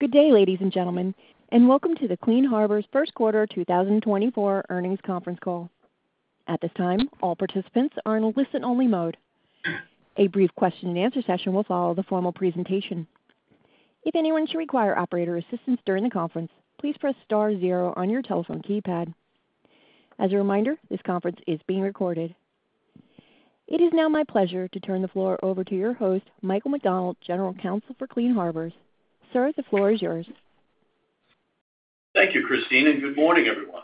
Good day, ladies and gentlemen, and welcome to the Clean Harbors first quarter 2024 earnings conference call. At this time, all participants are in listen-only mode. A brief question-and-answer session will follow the formal presentation. If anyone should require operator assistance during the conference, please press star zero on your telephone keypad. As a reminder, this conference is being recorded. It is now my pleasure to turn the floor over to your host, Michael McDonald, General Counsel for Clean Harbors. Sir, the floor is yours. Thank you, Christine, and good morning, everyone.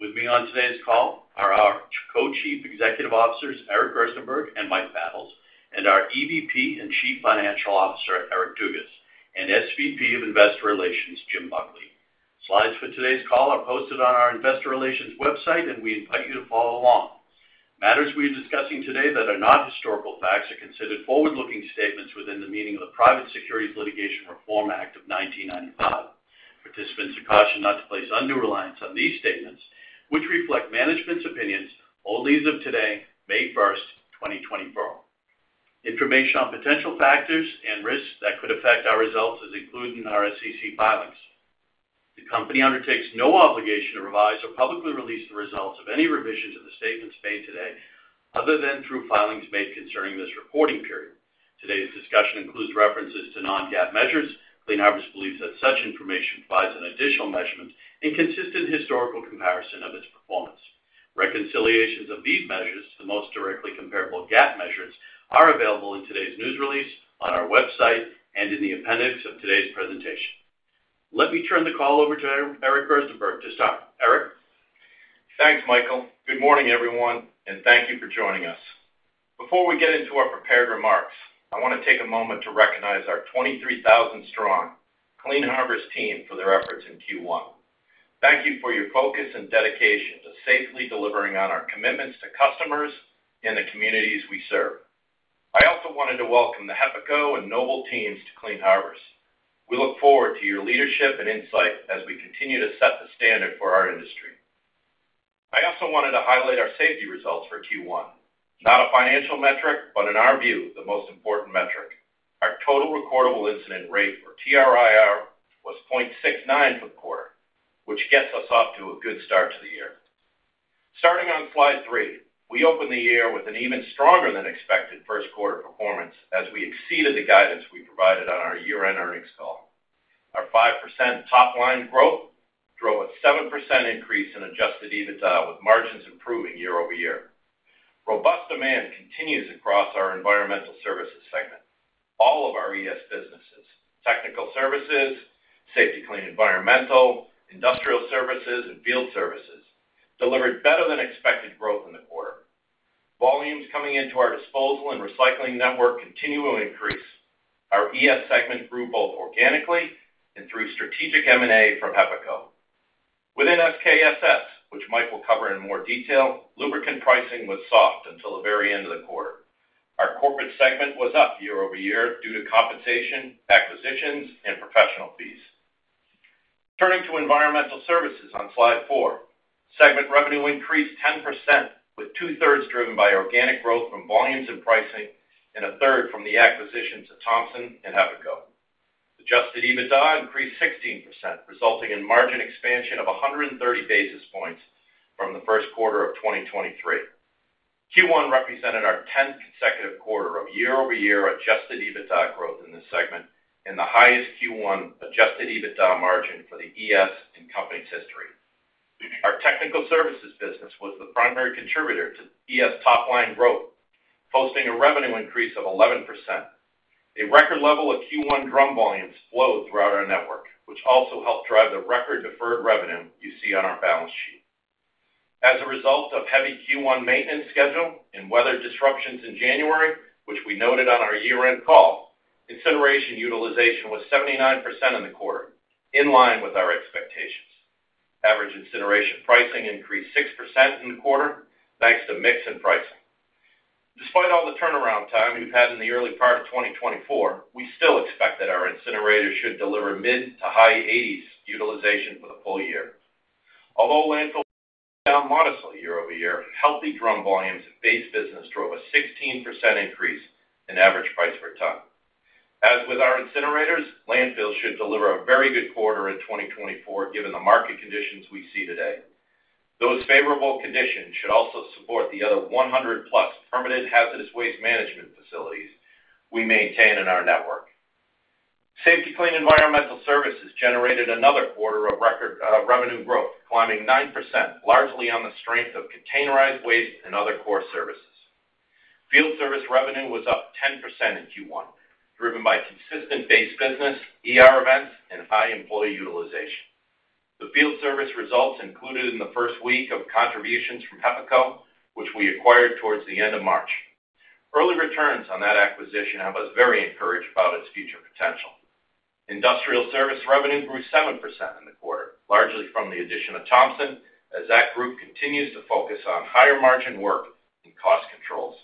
With me on today's call are our Co-Chief Executive Officers, Eric Gerstenberg and Mike Battles, and our EVP and Chief Financial Officer, Eric Dugas, and SVP of Investor Relations, Jim Buckley. Slides for today's call are posted on our investor relations website, and we invite you to follow along. Matters we are discussing today that are not historical facts are considered forward-looking statements within the meaning of the Private Securities Litigation Reform Act of 1995. Participants are cautioned not to place undue reliance on these statements, which reflect management's opinions, only as of today May 1st, 2024. Information on potential factors and risks that could affect our results is included in our SEC filings. The company undertakes no obligation to revise or publicly release the results of any revisions in the statements made today, other than through filings made concerning this reporting period. Today's discussion includes references to non-GAAP measures. Clean Harbors believes that such information provides an additional measurement and consistent historical comparison of its performance. Reconciliations of these measures to the most directly comparable GAAP measures are available in today's news release on our website, and in the appendix of today's presentation. Let me turn the call over to Eric Gerstenberg to start. Eric? Thanks Michael. Good morning, everyone, and thank you for joining us. Before we get into our prepared remarks, I want to take a moment to recognize our 23,000 strong Clean Harbors team for their efforts in Q1. Thank you for your focus and dedication to safely delivering on our commitments to customers and the communities we serve. I also wanted to welcome the HEPACO and Noble teams to Clean Harbors. We look forward to your leadership and insight as we continue to set the standard for our industry. I also wanted to highlight our safety results for Q1. Not a financial metric, but in our view, the most important metric. Our total recordable incident rate, or TRIR, was 0.69 for the quarter, which gets us off to a good start to the year. Starting on slide three, we opened the year with an even stronger than expected first quarter performance as we exceeded the guidance we provided on our year-end earnings call. Our 5% top-line growth drove a 7% increase in adjusted EBITDA, with margins improving year-over-year. Robust demand continues across our Environmental Services segment. All of our ES businesses, Technical Services, Safety-Kleen Environmental, Industrial Services, and Field Services, delivered better than expected growth in the quarter. Volumes coming into our disposal and recycling network continue to increase. Our ES segment grew both organically and through strategic M&A from HEPACO. Within SKSS, which Mike will cover in more detail, lubricant pricing was soft until the very end of the quarter. Our corporate segment was up year-over-year due to compensation, acquisitions, and professional fees. Turning to environmental services on slide four, segment revenue increased 10%, with two-thirds driven by organic growth from volumes and pricing, and a third from the acquisitions of Thompson and HEPACO. Adjusted EBITDA increased 16%, resulting in margin expansion of 130 basis points from the first quarter of 2023. Q1 represented our 10th consecutive quarter of year-over-year adjusted EBITDA growth in this segment and the highest Q1 adjusted EBITDA margin for the ES in company's history. Our Technical Services business was the primary contributor to ES top-line growth, posting a revenue increase of 11%. A record level of Q1 drum volumes flowed throughout our network, which also helped drive the record deferred revenue you see on our balance sheet. As a result of heavy Q1 maintenance schedule and weather disruptions in January, which we noted on our year-end call, incineration utilization was 79% in the quarter, in line with our expectations. Average incineration pricing increased 6% in the quarter, thanks to mix and pricing. Despite all the turnaround time we've had in the early part of 2024, we still expect that our incinerators should deliver mid- to high-80s utilization for the full year. Although landfill down modestly year-over-year, healthy drum volumes and base business drove a 16% increase in average price per ton. As with our incinerators, landfills should deliver a very good quarter in 2024, given the market conditions we see today. Those favorable conditions should also support the other 100+ permanent hazardous waste management facilities we maintain in our network. Safety-Kleen Environmental Services generated another quarter of record revenue growth, climbing 9%, largely on the strength of containerized waste and other core services. Field ervice revenue was up 10% in Q1, driven by consistent base business, ER events, and high employee utilization. The Field Service results included in the first week of contributions from HEPACO, which we acquired towards the end of March. Early returns on that acquisition have us very encouraged about its future potential. Industrial Service revenue grew 7% in the quarter, largely from the addition of Thompson, as that group continues to focus on higher-margin work and cost controls.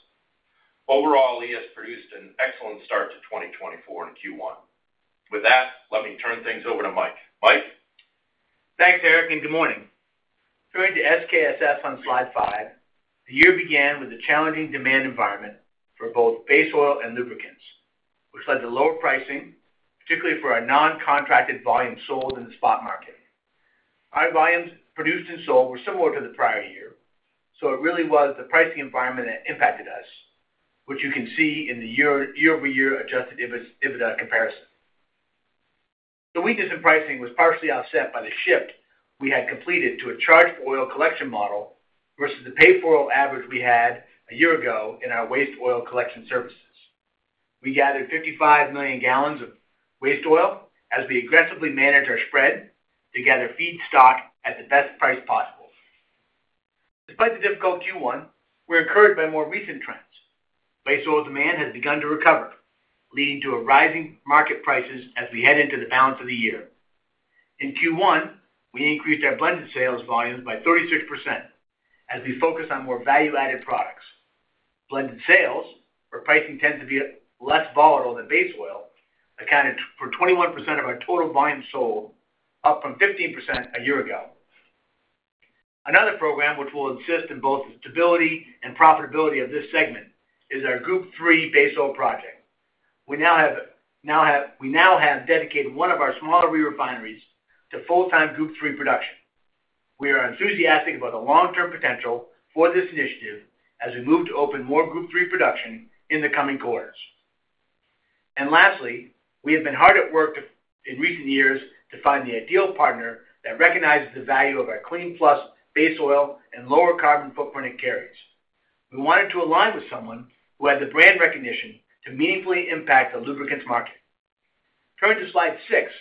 Overall, ES produced an excellent start to 2024 in Q1. With that, let me turn things over to Mike. Mike? Thanks Eric, and good morning. Turning to SKSS on slide five, the year began with a challenging demand environment for both base oil and lubricants, which led to lower pricing, particularly for our non-contracted volume sold in the spot market. Our volumes produced and sold were similar to the prior year, so it really was the pricing environment that impacted us, which you can see in the year-over-year adjusted EBITDA comparison. The weakness in pricing was partially offset by the shift we had completed to a charged oil collection model versus the paid for oil average we had a year ago in our waste oil collection services. We gathered 55 million gallons of waste oil as we aggressively managed our spread to gather feedstock at the best price possible. Despite the difficult Q1, we're encouraged by more recent trends. Base oil demand has begun to recover, leading to rising market prices as we head into the balance of the year. In Q1, we increased our blended sales volumes by 36% as we focus on more value-added products. Blended sales, where pricing tends to be less volatile than base oil, accounted for 21% of our total volume sold, up from 15% a year ago. Another program, which will assist in both the stability and profitability of this segment, is our Group III base oil project. We now have dedicated one of our smaller re-refineries to full-time Group III production. We are enthusiastic about the long-term potential for this initiative as we move to open more Group III production in the coming quarters. And lastly, we have been hard at work, in recent years, to find the ideal partner that recognizes the value of our KLEEN+ base oil and lower carbon footprint it carries. We wanted to align with someone who had the brand recognition to meaningfully impact the lubricants market. Turning to slide six,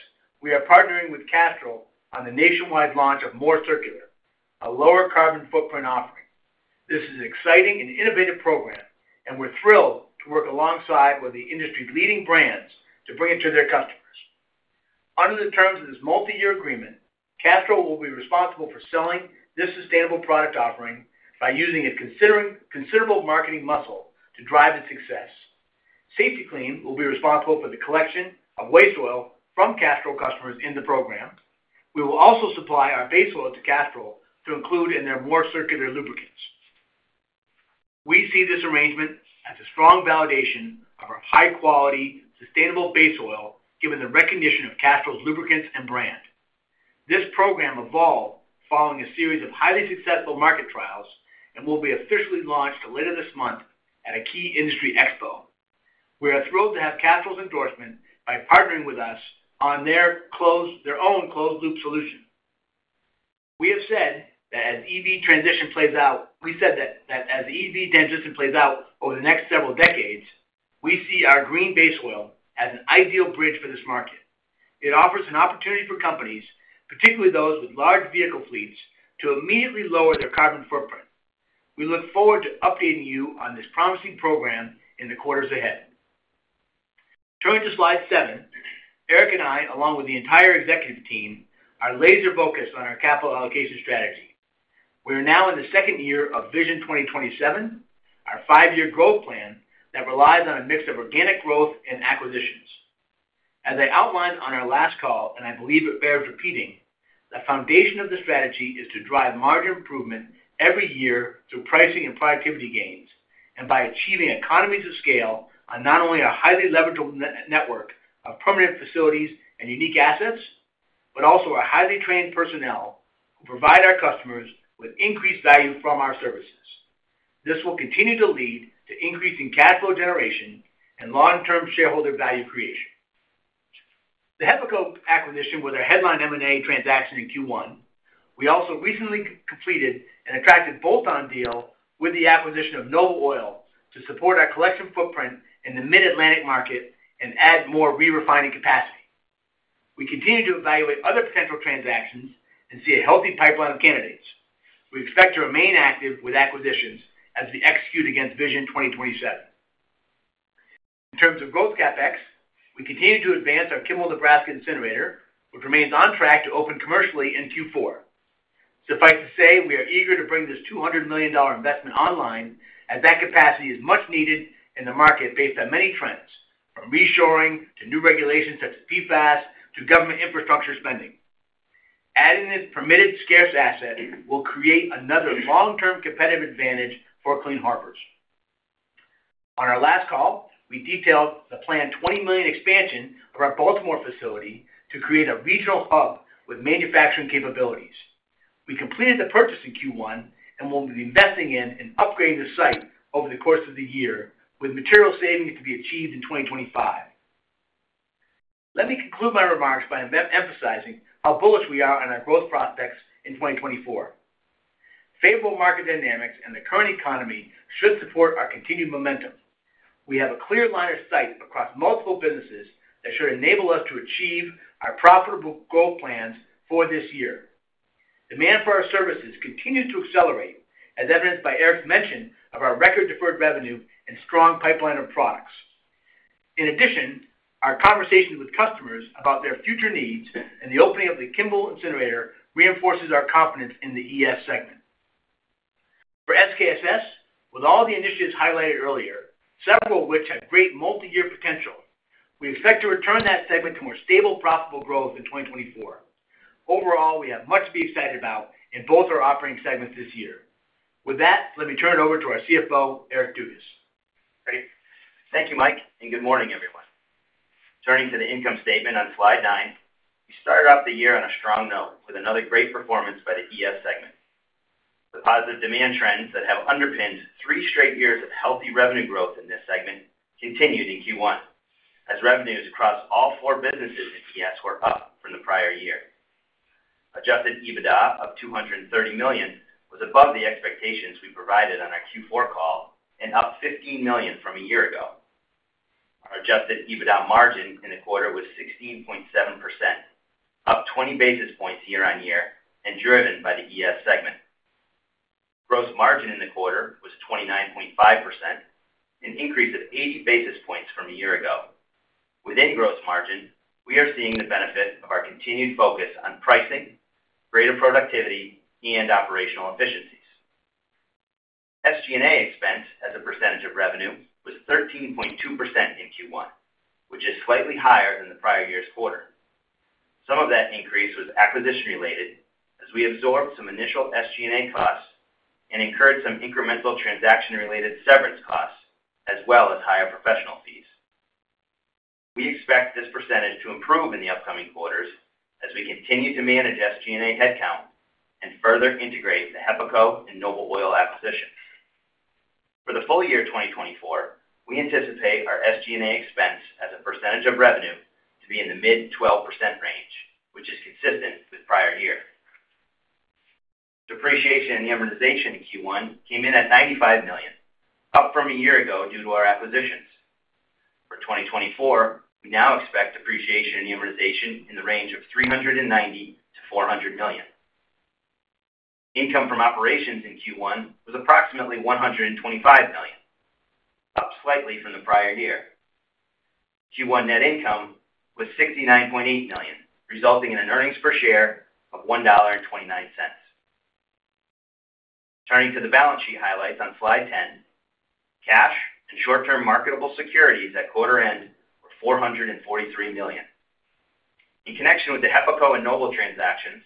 we are partnering with Castrol on the nationwide launch of MoreCircular, a lower carbon footprint offering. This is an exciting and innovative program, and we're thrilled to work alongside one of the industry's leading brands to bring it to their customers. Under the terms of this multi-year agreement, Castrol will be responsible for selling this sustainable product offering by using its considerable marketing muscle to drive its success. Safety-Kleen will be responsible for the collection of waste oil from Castrol customers in the program. We will also supply our base oil to Castrol to include in their MoreCircular lubricants. We see this arrangement as a strong validation of our high quality, sustainable base oil, given the recognition of Castrol's lubricants and brand. This program evolved following a series of highly successful market trials and will be officially launched later this month at a key industry expo. We are thrilled to have Castrol's endorsement by partnering with us on their closed - their own closed loop solution. We have said that as EV transition plays out, we said that, that as EV transition plays out over the next several decades, we see our green base oil as an ideal bridge for this market. It offers an opportunity for companies, particularly those with large vehicle fleets, to immediately lower their carbon footprint. We look forward to updating you on this promising program in the quarters ahead. Turning to slide seven, Eric and I, along with the entire executive team, are laser focused on our capital allocation strategy. We are now in the second year of Vision 2027, our five-year growth plan that relies on a mix of organic growth and acquisitions. As I outlined on our last call, and I believe it bears repeating, the foundation of the strategy is to drive margin improvement every year through pricing and productivity gains, and by achieving economies of scale on not only a highly leveraged network of permanent facilities and unique assets, but also a highly trained personnel who provide our customers with increased value from our services. This will continue to lead to increasing cash flow generation and long-term shareholder value creation. The HEPACO acquisition was our headline M&A transaction in Q1. We also recently completed an attractive bolt-on deal with the acquisition of Noble Oil to support our collection footprint in the Mid-Atlantic market and add more re-refining capacity. We continue to evaluate other potential transactions and see a healthy pipeline of candidates. We expect to remain active with acquisitions as we execute against Vision 2027. In terms of growth CapEx, we continue to advance our Kimball, Nebraska incinerator, which remains on track to open commercially in Q4. Suffice to say, we are eager to bring this $200 million investment online, as that capacity is much needed in the market based on many trends, from reshoring to new regulations such as PFAS to government infrastructure spending. Adding this permitted scarce asset will create another long-term competitive advantage for Clean Harbors. On our last call, we detailed the planned $20 million expansion of our Baltimore facility to create a regional hub with manufacturing capabilities. We completed the purchase in Q1 and will be investing in and upgrading the site over the course of the year, with material savings to be achieved in 2025. Let me conclude my remarks by emphasizing how bullish we are on our growth prospects in 2024. Favorable market dynamics and the current economy should support our continued momentum. We have a clear line of sight across multiple businesses that should enable us to achieve our profitable growth plans for this year. Demand for our services continued to accelerate, as evidenced by Eric's mention of our record deferred revenue and strong pipeline of products. In addition, our conversations with customers about their future needs and the opening of the Kimball incinerator reinforces our confidence in the ES segment. For SKSS, with all the initiatives highlighted earlier, several of which have great multi-year potential, we expect to return that segment to more stable, profitable growth in 2024. Overall, we have much to be excited about in both our operating segments this year. With that, let me turn it over to our CFO, Eric Dugas. Great. Thank you, Mike, and good morning, everyone. Turning to the income statement on slide nine, we started off the year on a strong note with another great performance by the ES segment. The positive demand trends that have underpinned three straight years of healthy revenue growth in this segment continued in Q1, as revenues across all four businesses in ES were up from the prior year. Adjusted EBITDA of $230 million was above the expectations we provided on our Q4 call and up $15 million from a year ago. Our adjusted EBITDA margin in the quarter was 16.7%, up 20 basis points year-on-year and driven by the ES segment. Gross margin in the quarter was 29.5%, an increase of 80 basis points from a year ago. Within gross margin, we are seeing the benefit of our continued focus on pricing, greater productivity, and operational efficiencies. SG&A expense as a percentage of revenue was 13.2% in Q1, which is slightly higher than the prior year's quarter. Some of that increase was acquisition related, as we absorbed some initial SG&A costs and incurred some incremental transaction-related severance costs, as well as higher professional fees. We expect this percentage to improve in the upcoming quarters as we continue to manage SG&A headcount and further integrate the HEPACO and Noble Oil acquisitions. For the full year 2024, we anticipate our SG&A expense as a percentage of revenue to be in the mid-12% range, which is consistent with prior year. Depreciation and amortization in Q1 came in at $95 million, up from a year ago due to our acquisitions. For 2024, we now expect depreciation and amortization in the range of $390 million-$400 million. Income from operations in Q1 was approximately $125 million, up slightly from the prior year. Q1 net income was $69.8 million, resulting in an earnings per share of $1.29. Turning to the balance sheet highlights on slide 10, cash and short-term marketable securities at quarter end were $443 million. In connection with the HEPACO and Noble transactions,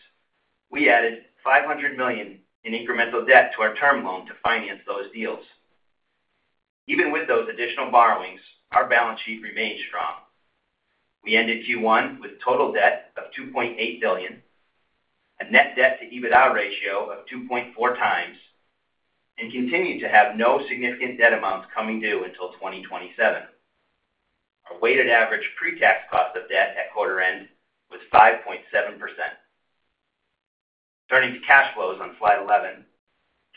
we added $500 million in incremental debt to our term loan to finance those deals. Even with those additional borrowings, our balance sheet remains strong. We ended Q1 with total debt of $2.8 billion, a net debt to EBITDA ratio of 2.4 times, and continued to have no significant debt amounts coming due until 2027. Our weighted average pre-tax cost of debt at quarter end was 5.7%. Turning to cash flows on slide 11,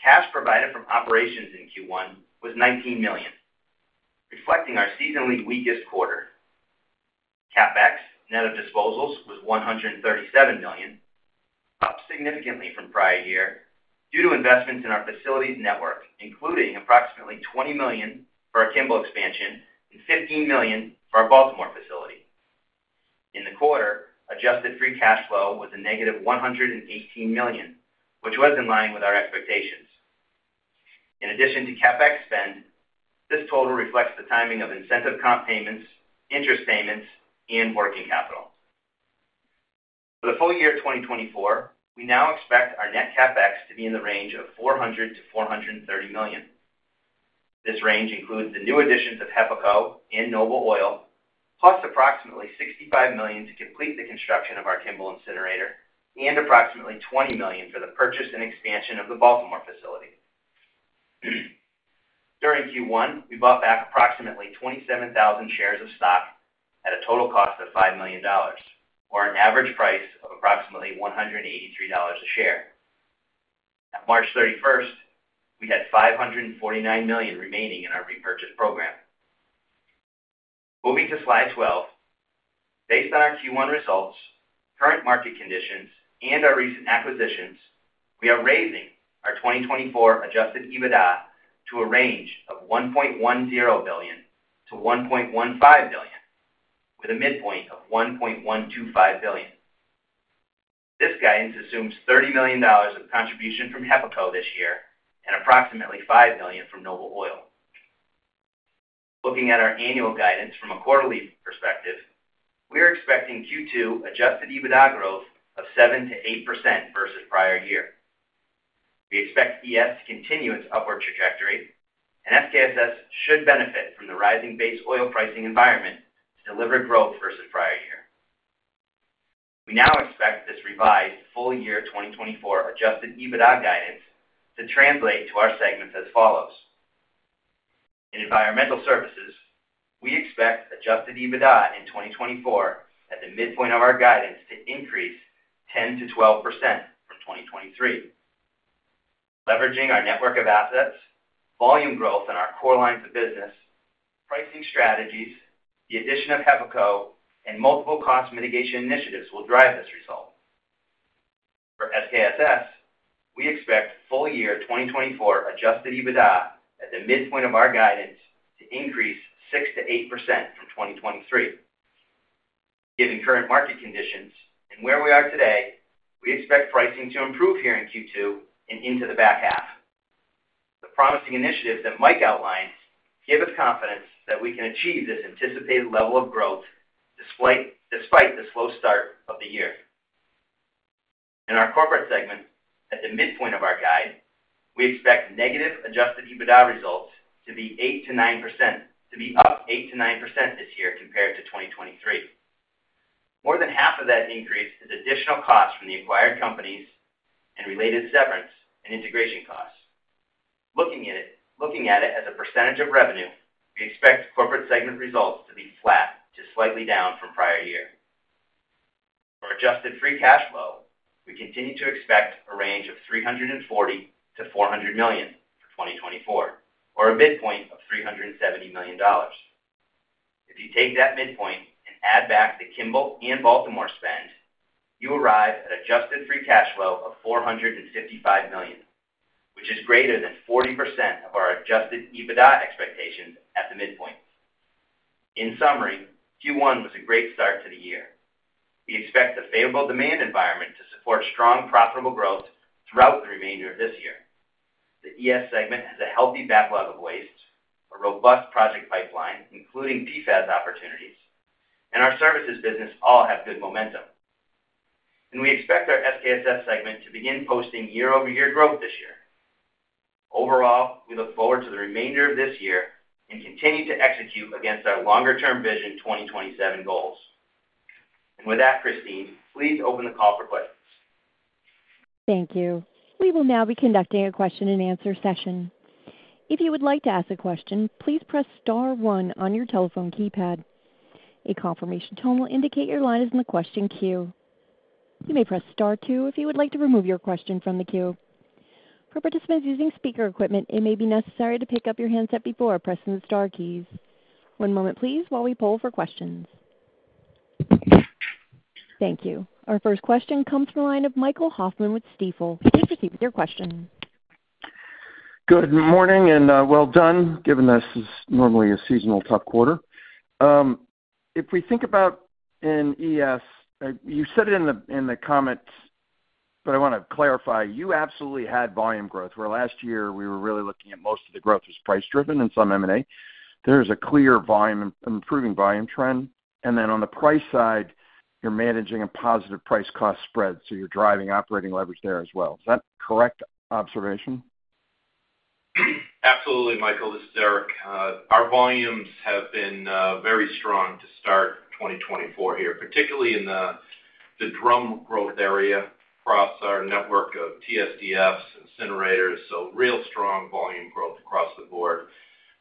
cash provided from operations in Q1 was $19 million, reflecting our seasonally weakest quarter. CapEx, net of disposals, was $137 million, up significantly from prior year due to investments in our facilities network, including approximately $20 million for our Kimball expansion and $15 million for our Baltimore facility. In the quarter, adjusted free cash flow was a negative $118 million, which was in line with our expectations. In addition to CapEx spend, this total reflects the timing of incentive comp payments, interest payments, and working capital. For the full year 2024, we now expect our net CapEx to be in the range of $400 million-$430 million. This range includes the new additions of HEPACO and Noble Oil, plus approximately $65 million to complete the construction of our Kimball incinerator, and approximately $20 million for the purchase and expansion of the Baltimore facility. During Q1, we bought back approximately 27,000 shares of stock at a total cost of $5 million, or an average price of approximately $183 a share. At March 31st, we had $549 million remaining in our repurchase program. Moving to slide 12, based on our Q1 results, current market conditions, and our recent acquisitions, we are raising our 2024 adjusted EBITDA to a range of $1.10 billion-$1.15 billion, with a midpoint of $1.125 billion. This guidance assumes $30 million of contribution from HEPACO this year and approximately $5 million from Noble Oil. Looking at our annual guidance from a quarterly perspective, we are expecting Q2 Adjusted EBITDA growth of 7%-8% versus prior year. We expect ES to continue its upward trajectory, and SKSS should benefit from the rising base oil pricing environment to deliver growth versus prior year. We now expect this revised full year 2024 adjusted EBITDA guidance to translate to our segments as follows: In Environmental Services, we expect adjusted EBITDA in 2024 at the midpoint of our guidance to increase 10%-12% from 2023. Leveraging our network of assets, volume growth in our core lines of business, pricing strategies, the addition of HEPACO, and multiple cost mitigation initiatives will drive this result. For SKSS, we expect full year 2024 adjusted EBITDA at the midpoint of our guidance to increase 6%-8% from 2023. In current market conditions and where we are today, we expect pricing to improve here in Q2 and into the back half. The promising initiatives that Mike outlined give us confidence that we can achieve this anticipated level of growth, despite the slow start of the year. In our corporate segment, at the midpoint of our guide, we expect negative adjusted EBITDA results to be 8%-9%, to be up 8%-9% this year compared to 2023. More than half of that increase is additional costs from the acquired companies and related severance and integration costs. Looking at it as a percentage of revenue, we expect corporate segment results to be flat to slightly down from prior year. For adjusted free cash flow, we continue to expect a range of $340 million-$400 million for 2024, or a midpoint of $370 million. If you take that midpoint and add back the Kimball and Baltimore spend, you arrive at adjusted free cash flow of $455 million, which is greater than 40% of our Adjusted EBITDA expectations at the midpoint. In summary, Q1 was a great start to the year. We expect a favorable demand environment to support strong, profitable growth throughout the remainder of this year. The ES segment has a healthy backlog of waste, a robust project pipeline, including PFAS opportunities, and our services business all have good momentum. We expect our SKSS segment to begin posting year-over-year growth this year. Overall, we look forward to the remainder of this year and continue to execute against our longer-term Vision 2027 goals. With that, Christine, please open the call for questions. Thank you. We will now be conducting a question-and-answer session. If you would like to ask a question, please press star one on your telephone keypad. A confirmation tone will indicate your line is in the question queue. You may press star two if you would like to remove your question from the queue. For participants using speaker equipment, it may be necessary to pick up your handset before pressing the star keys. One moment please while we poll for questions. Thank you. Our first question comes from the line of Michael Hoffman with Stifel. Please proceed with your question. Good morning, and well done, given this is normally a seasonal tough quarter. If we think about in ES, you said it in the, in the comments, but I want to clarify: You absolutely had volume growth, where last year we were really looking at most of the growth was price driven and some M&A. There is a clear volume improving volume trend. And then on the price side, you're managing a positive price cost spread, so you're driving operating leverage there as well. Is that a correct observation? Absolutely, Michael. This is Eric. Our volumes have been very strong to start 2024 here, particularly in the drum growth area across our network of TSDFs, incinerators, so real strong volume growth across the board.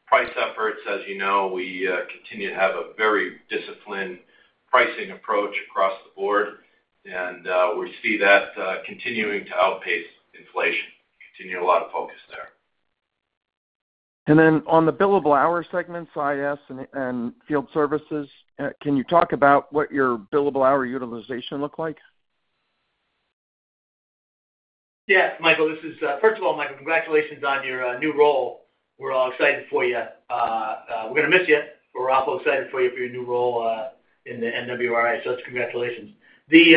Price efforts, as you know, we continue to have a very disciplined pricing approach across the board, and we see that continuing to outpace inflation. Continue a lot of focus there. Then on the billable hour segment, IS and Field Services, can you talk about what your billable hour utilization look like? Yeah, Michael, this is - first of all, Michael, congratulations on your new role. We're all excited for you. We're gonna miss you. We're also excited for you for your new role in the NWRA. So just congratulations. The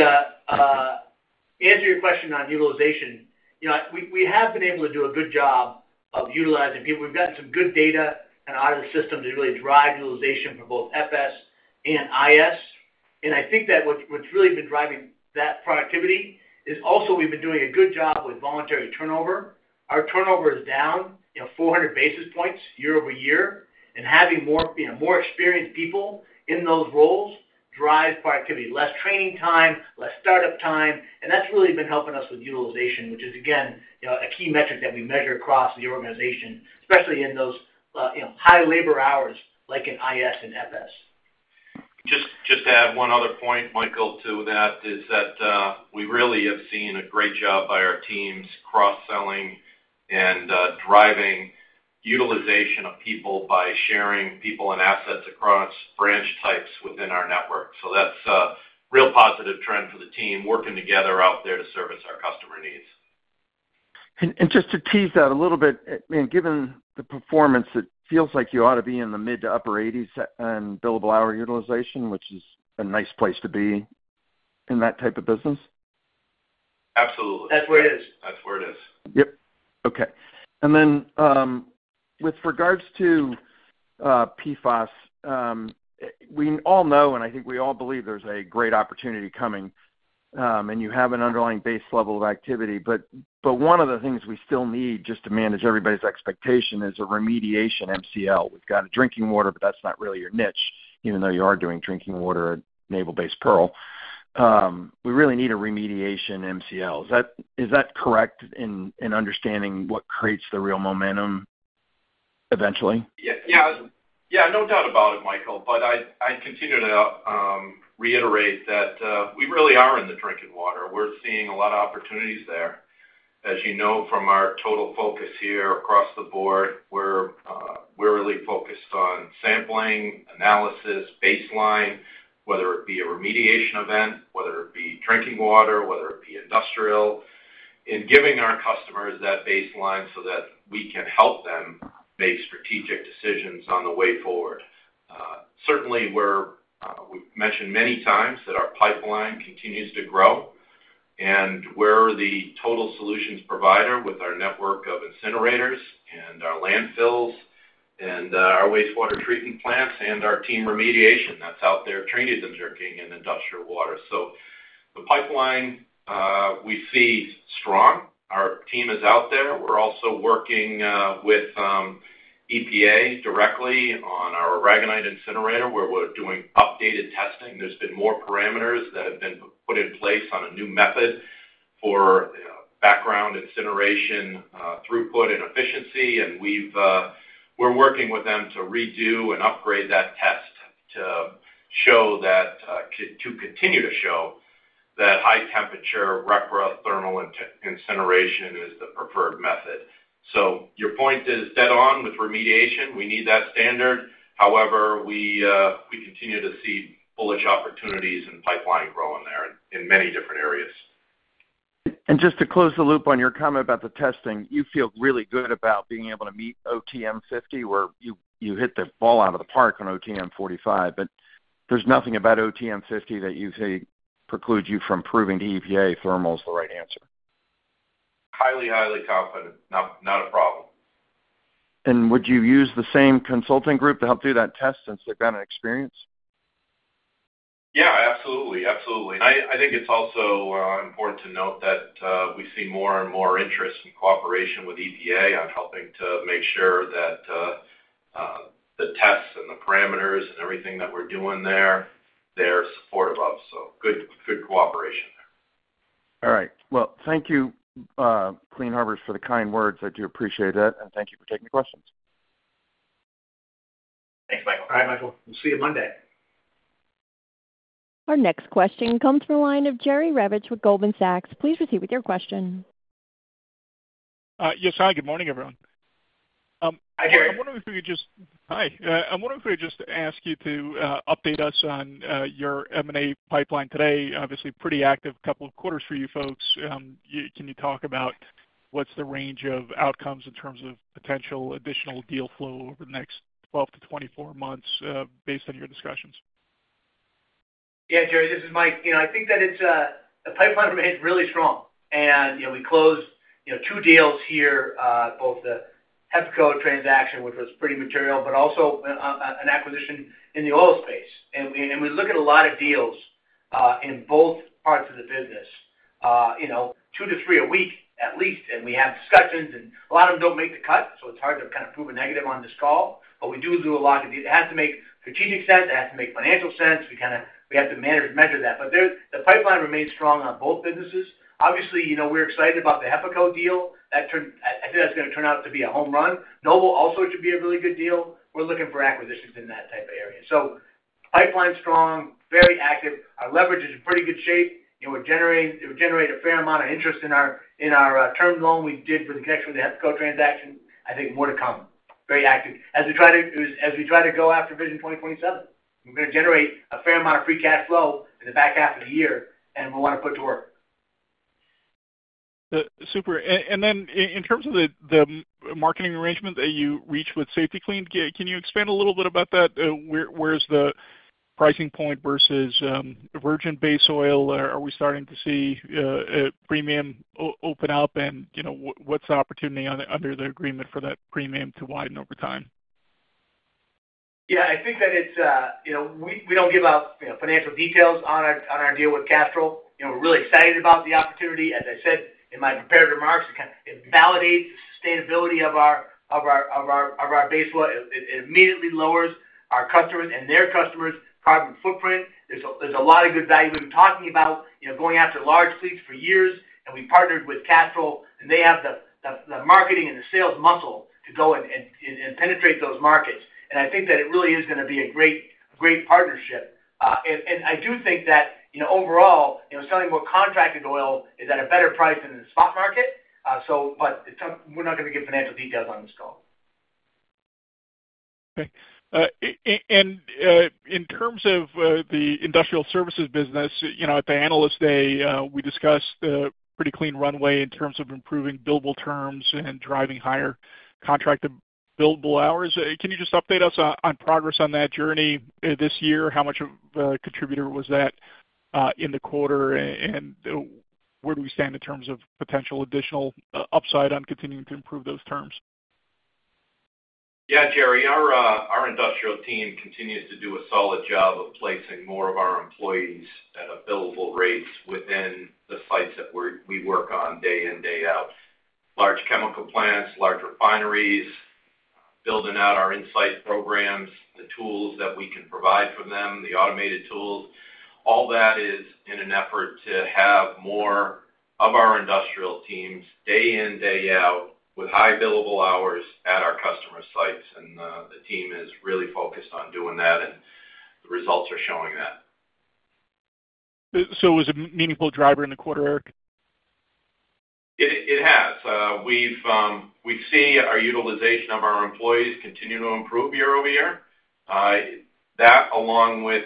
answer your question on utilization, you know, we, we have been able to do a good job of utilizing people. We've gotten some good data out of the system to really drive utilization for both FS and IS. And I think that what, what's really been driving that productivity is also we've been doing a good job with voluntary turnover. Our turnover is down, you know, 400 basis points year-over-year, and having more, you know, more experienced people in those roles drives productivity, less training time, less startup time, and that's really been helping us with utilization, which is, again, you know, a key metric that we measure across the organization, especially in those, you know, high labor hours, like in IS and FS. Just to add one other point, Michael, to that, is that we really have seen a great job by our teams, cross-selling and driving utilization of people by sharing people and assets across branch types within our network. So that's a real positive trend for the team, working together out there to service our customer needs. Just to tease out a little bit, I mean, given the performance, it feels like you ought to be in the mid-to upper 80s on billable hour utilization, which is a nice place to be in that type of business. Absolutely. That's where it is. That's where it is. Yep. Okay. And then, with regards to, PFAS, we all know, and I think we all believe there's a great opportunity coming, and you have an underlying base level of activity, but, but one of the things we still need, just to manage everybody's expectation, is a remediation MCL. We've got a drinking water, but that's not really your niche, even though you are doing drinking water at Naval Base Pearl. We really need a remediation MCL. Is that, is that correct in, in understanding what creates the real momentum eventually? Yeah. Yeah, no doubt about it, Michael, but I'd continue to reiterate that we really are in the drinking water. We're seeing a lot of opportunities there. As you know, from our total focus here across the board, we're really focused on sampling, analysis, baseline, whether it be a remediation event, whether it be drinking water, whether it be industrial. In giving our customers that baseline so that we can help them make strategic decisions on the way forward. Certainly, we're, we've mentioned many times that our pipeline continues to grow, and we're the total solutions provider with our network of incinerators and our landfills and, our wastewater treatment plants and our team remediation that's out there training them, working in industrial water. So the pipeline, we see strong. Our team is out there. We're also working with EPA directly on our Aragonite incinerator, where we're doing updated testing. There's been more parameters that have been put in place on a new method for background incineration, throughput and efficiency. And we've, we're working with them to redo and upgrade that test to show that, to continue to show that high temperature pyrothermal incineration is the preferred method. So your point is dead on with remediation. We need that standard. However, we, we continue to see bullish opportunities and pipeline growing there in many different areas. Just to close the loop on your comment about the testing, you feel really good about being able to meet OTM 50, where you hit the ball out of the park on OTM 45. But there's nothing about OTM 50 that you say precludes you from proving to EPA thermal is the right answer? Highly, highly confident. Not, not a problem. Would you use the same consulting group to help do that test since they've got an experience? Yeah, absolutely. Absolutely. I think it's also important to note that we see more and more interest in cooperation with EPA on helping to make sure that the tests and the parameters and everything that we're doing there, they're supportive of. So good, good cooperation there. All right. Well, thank you, Clean Harbors, for the kind words. I do appreciate it and thank you for taking the questions. Thanks, Michael. Bye, Michael. We'll see you Monday. Our next question comes from the line of Jerry Revich with Goldman Sachs. Please proceed with your question. Yes. Hi, good morning, everyone. Hi, Jerry. Hi. I'm wondering if we could just ask you to update us on your M&A pipeline today. Obviously, pretty active couple of quarters for you folks. Can you talk about what's the range of outcomes in terms of potential additional deal flow over the next 12-24 months, based on your discussions? Yeah, Jerry, this is Mike. You know, I think that it's the pipeline remains really strong. And, you know, we closed, you know, two deals here, both the HEPACO transaction, which was pretty material, but also an acquisition in the oil space. And, and we look at a lot of deals in both parts of the business, you know, two to three a week at least, and we have discussions, and a lot of them don't make the cut, so it's hard to kind of prove a negative on this call. But we do do a lot of deals. It has to make strategic sense, it has to make financial sense. We kind of, we have to measure, measure that. But there, the pipeline remains strong on both businesses. Obviously, you know, we're excited about the HEPACO deal. That turned - I think that's gonna turn out to be a home run. Noble also should be a really good deal. We're looking for acquisitions in that type of area. So pipeline's strong, very active. Our leverage is in pretty good shape, and we're generating, we generate a fair amount of interest in our term loan we did for the connection with the HEPACO transaction. I think more to come. Very active. As we try to go after Vision 2027, we're gonna generate a fair amount of free cash flow in the back half of the year, and we want to put to work. Super. And then in terms of the marketing arrangement that you reached with Safety-Kleen, can you expand a little bit about that? Where's the pricing point versus virgin base oil? Are we starting to see a premium open up? And, you know, what's the opportunity under the agreement for that premium to widen over time? Yeah, I think that it's, you know, we don't give out, you know, financial details on our deal with Castrol. You know, we're really excited about the opportunity. As I said in my prepared remarks, it kind of validates the sustainability of our base oil. It immediately lowers our customers and their customers' carbon footprint. There's a lot of good value. We've been talking about, you know, going after large fleets for years, and we partnered with Castrol, and they have the marketing and the sales muscle to go and penetrate those markets. And I think that it really is gonna be a great, great partnership. And I do think that, you know, overall, you know, selling more contracted oil is at a better price than in the spot market. So, but it, we're not gonna give financial details on this call. Okay. In terms of the Industrial Services business, you know, at the Analyst Day, we discussed pretty clean runway in terms of improving billable terms and driving higher contracted billable hours. Can you just update us on progress on that journey this year? How much of a contributor was that in the quarter, and where do we stand in terms of potential additional upside on continuing to improve those terms? Yeah, Jerry. Our industrial team continues to do a solid job of placing more of our employees at billable rates within the sites that we work on day in, day out. Large chemical plants, large refineries, building out our insight programs, the tools that we can provide for them, the automated tools, all that is in an effort to have more of our industrial teams, day in, day out, with high billable hours at our customer sites. And the team is really focused on doing that, and the results are showing that. It was a meaningful driver in the quarter, Eric? It has. We see our utilization of our employees continue to improve year-over-year. That along with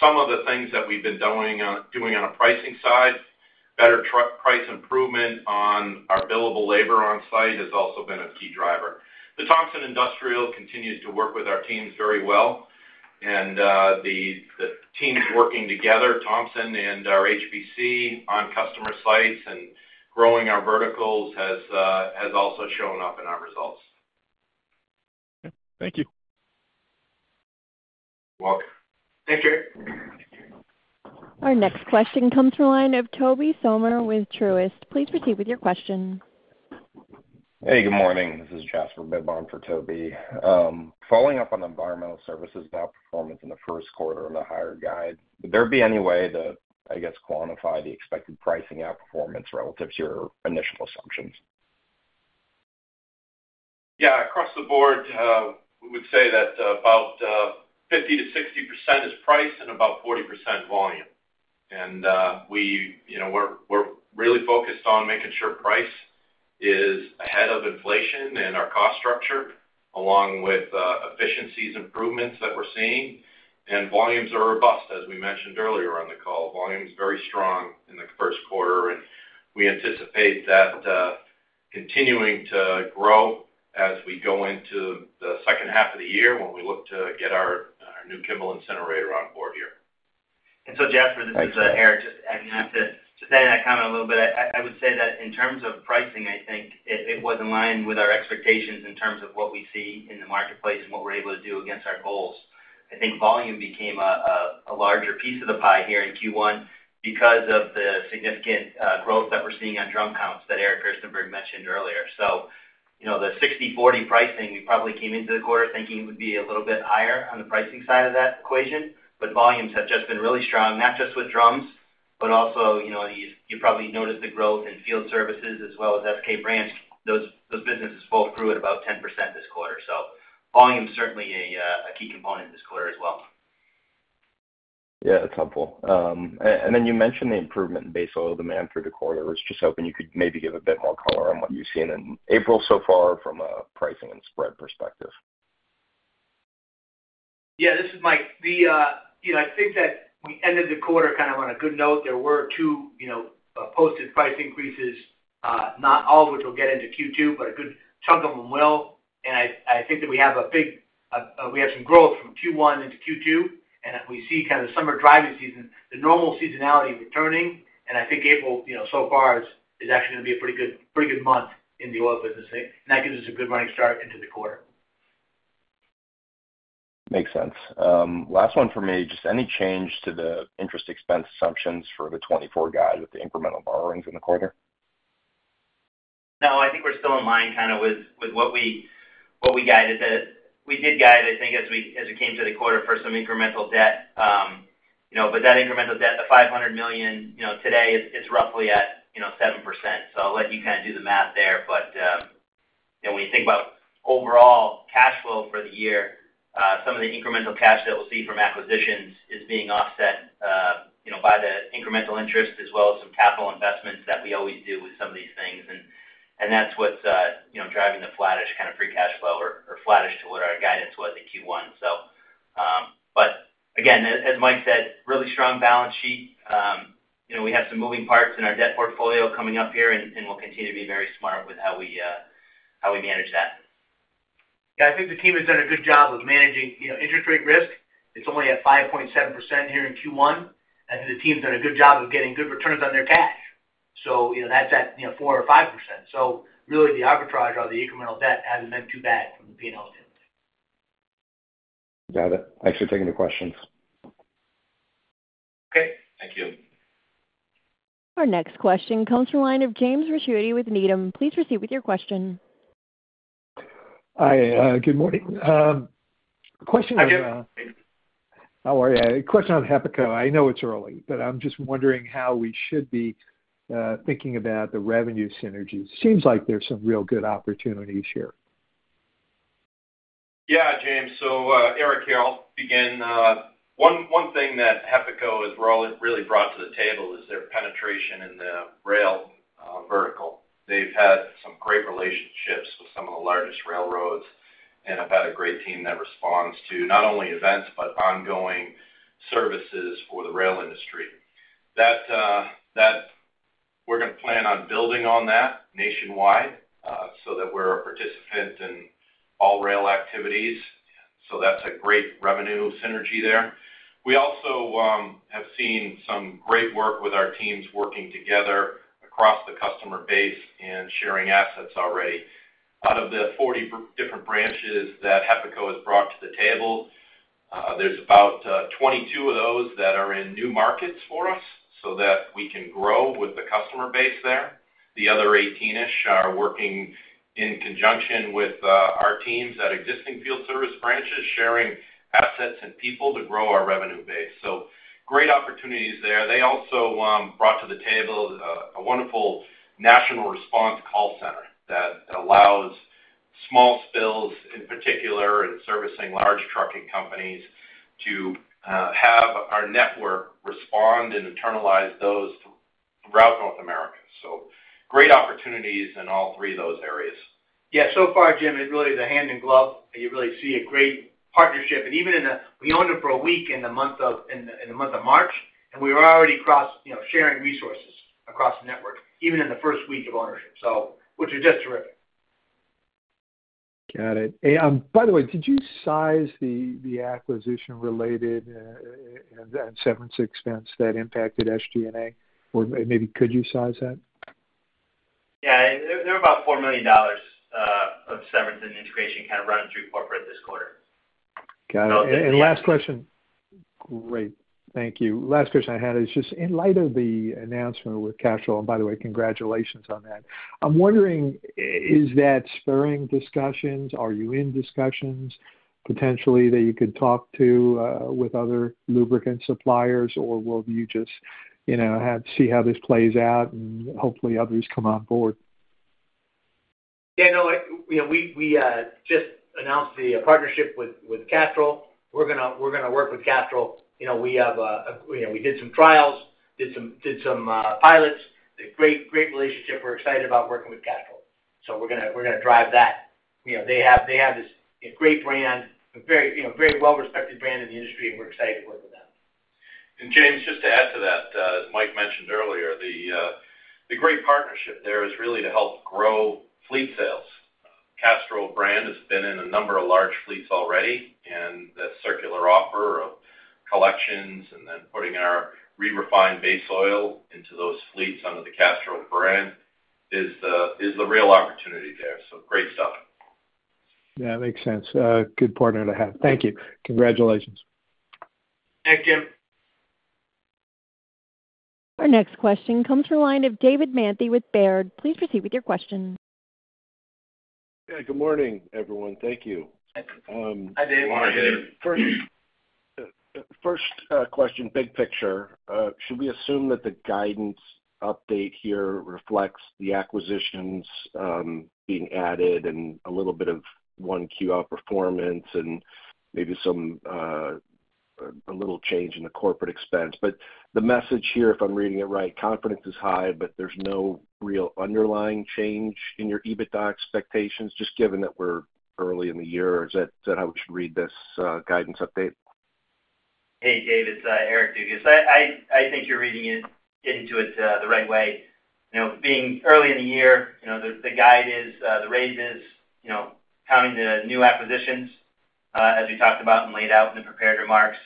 some of the things that we've been doing on a pricing side, better truck price improvement on our billable labor on site has also been a key driver. The Thompson Industrial continues to work with our teams very well, and the teams working together, Thompson and our HPC on customer sites and growing our verticals has also shown up in our results. Thank you. You're welcome. Thanks, Jerry. Our next question comes from the line of Tobey Sommer with Truist. Please proceed with your question. Hey, good morning. This is Jasper Bibb for Tobey. Following up on Environmental Services and outperformance in the first quarter and the higher guide, would there be any way to, I guess, quantify the expected pricing outperformance relative to your initial assumptions? Yeah, across the board, we would say that about 50%-60% is price and about 40% volume. And we, you know, we're, we're really focused on making sure price is ahead of inflation and our cost structure, along with efficiencies improvements that we're seeing. And volumes are robust, as we mentioned earlier on the call. Volume is very strong in the first quarter, and we anticipate that continuing to grow as we go into the second half of the year, when we look to get our new Kimball incinerator on board here. Jasper, this is Eric. Just adding on to that comment a little bit, I would say that in terms of pricing, I think it was in line with our expectations in terms of what we see in the marketplace and what we're able to do against our goals. I think volume became a larger piece of the pie here in Q1 because of the significant growth that we're seeing on drum counts that Eric Gerstenberg mentioned earlier. So you know, the 60/40 pricing, we probably came into the quarter thinking it would be a little bit higher on the pricing side of that equation, but volumes have just been really strong, not just with drums, but also, you know, you probably noticed the growth in field services as well as SK brands. Those businesses both grew at about 10% this quarter. So volume is certainly a key component this quarter as well. Yeah, that's helpful. And then you mentioned the improvement in base oil demand through the quarter. I was just hoping you could maybe give a bit more color on what you've seen in April so far from a pricing and spread perspective. Yeah, this is Mike. The, you know, I think that we ended the quarter kind of on a good note. There were two, you know, posted price increases, not all of which will get into Q2, but a good chunk of them will. And I think that we have a big, we have some growth from Q1 into Q2, and we see kind of the summer driving season, the normal seasonality returning. And I think April, you know, so far is actually gonna be a pretty good, pretty good month in the oil business, and that gives us a good running start into the quarter. Makes sense. Last one for me. Just any change to the interest expense assumptions for the 2024 guide with the incremental borrowings in the quarter? No, I think we're still in line kind of with what we guided to. We did guide, I think, as we came to the quarter for some incremental debt. You know, but that incremental debt, the $500 million, you know, today, it's roughly at 7%. So I'll let you kind of do the math there. But, you know, when you think about overall cash flow for the year, some of the incremental cash that we'll see from acquisitions is being offset by the incremental interest, as well as some capital investments that we always do with some of these things. And that's what's driving the flattish kind of free cash flow or flattish to what our guidance was in Q1, so. But again, as Mike said, really strong balance sheet. You know, we have some moving parts in our debt portfolio coming up here, and we'll continue to be very smart with how we manage that. Yeah, I think the team has done a good job with managing, you know, interest rate risk. It's only at 5.7% here in Q1, and the team's done a good job of getting good returns on their cash. So, you know, that's at, you know, 4%-5%. So really, the arbitrage or the incremental debt hasn't been too bad from the P&L standpoint. Got it. Thanks for taking the questions. Okay, thank you. Our next question comes from the line of James Ricchiuti with Needham. Please proceed with your question. Hi, good morning. Question - Hi, James. How are you? A question on HEPACO. I know it's early, but I'm just wondering how we should be thinking about the revenue synergies. Seems like there's some real good opportunities here. Yeah, James. So, Eric here, I'll begin. One thing that HEPACO has really, really brought to the table is their penetration in the rail vertical. They've had some great relationships with some of the largest railroads and have had a great team that responds to not only events, but ongoing services for the rail industry. That, we're gonna plan on building on that nationwide, so that we're a participant in all rail activities, so that's a great revenue synergy there. We also have seen some great work with our teams working together across the customer base and sharing assets already. Out of the 40 different branches that HEPACO has brought to the table, there's about 22 of those that are in new markets for us so that we can grow with the customer base there. The other 18-ish are working in conjunction with our teams at existing field service branches, sharing assets and people to grow our revenue base. Great opportunities there. They also brought to the table a wonderful national response call center that allows small spills, in particular, in servicing large trucking companies to have our network respond and internalize those throughout North America. Great opportunities in all three of those areas. Yeah, so far, Jim, it's really the hand in glove. You really see a great partnership. And even, we owned it for a week in the month of March, and we were already cross, you know, sharing resources across the network, even in the first week of ownership. So, which is just terrific. Got it. Hey, by the way, did you size the acquisition related and severance expense that impacted SG&A? Or maybe could you size that? Yeah, there, there were about $4 million of severance and integration kind of running through corporate this quarter. Got it. So, and yeah- Last question. Great. Thank you. Last question I had is just in light of the announcement with Castrol, and by the way, congratulations on that. I'm wondering, is that spurring discussions? Are you in discussions potentially that you could talk to with other lubricant suppliers, or will you just, you know, have to see how this plays out and hopefully others come on board? Yeah, no, I, you know, we just announced the partnership with Castrol. We're gonna work with Castrol. You know, we have, you know, we did some trials, did some pilots. A great relationship. We're excited about working with Castrol. So we're gonna drive that. You know, they have this, a great brand, a very, you know, very well-respected brand in the industry, and we're excited to work with them. And James, just to add to that, as Mike mentioned earlier, the great partnership there is really to help grow fleet sales. Castrol brand has been in a number of large fleets already, and the circular offer of collections and then putting our re-refined base oil into those fleets under the Castrol brand is the real opportunity there. So great stuff. Yeah, makes sense. Good partner to have. Thank you. Congratulations. Thank you. Our next question comes from the line of David Manthey with Baird. Please proceed with your question. Yeah, good morning, everyone. Thank you. Hi, David. Morning. Hi, David. First, first question, big picture. Should we assume that the guidance update here reflects the acquisitions being added and a little bit of 1Q outperformance and maybe some a little change in the corporate expense? But the message here, if I'm reading it right, confidence is high, but there's no real underlying change in your EBITDA expectations, just given that we're early in the year, or is that how we should read this guidance update? Hey, David, it's Eric Dugas. I think you're reading it into it the right way. You know, being early in the year, you know, the guide is the raise is, you know, counting the new acquisitions, as we talked about and laid out in the prepared remarks,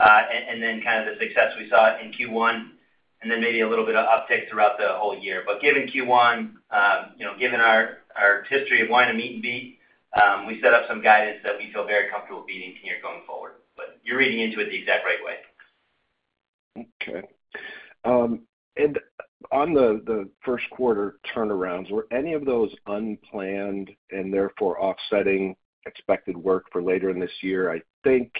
and then kind of the success we saw in Q1, and then maybe a little bit of uptick throughout the whole year. But given Q1, you know, given our history of wanting to meet and beat, we set up some guidance that we feel very comfortable beating here going forward. But you're reading into it the exact right way. Okay. And on the first quarter turnarounds, were any of those unplanned and therefore offsetting expected work for later in this year? I think